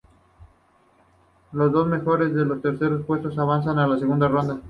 Los dos mejores de los terceros puestos avanzan a la segunda ronda.